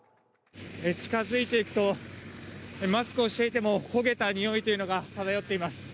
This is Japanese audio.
近付いていくとマスクをしていても焦げたにおいというのが漂っています。